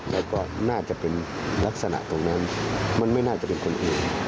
แล้วก็น่าจะเป็นลักษณะตรงนั้นมันไม่น่าจะเป็นคนอื่น